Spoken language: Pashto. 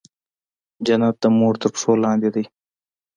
جنت د مور تر پښو لاندې دی